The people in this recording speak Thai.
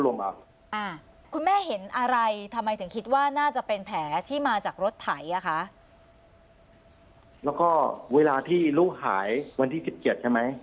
แล้วก็มีนิทยวิทย์มาว่าไม่ได้มีแผลเลย